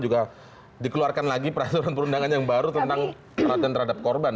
juga dikeluarkan lagi peraturan perundangan yang baru tentang perhatian terhadap korban